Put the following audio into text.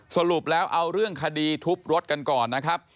สรุปแล้วเอาเรื่องคดีทุบรถกันก่อนนะครับ